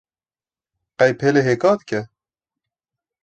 Qey pêlê hêka dike